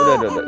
udah udah udah